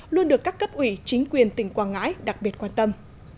luôn được các cấp ủy chính quyền tỉnh quảng ngãi đặc biệt quan tâm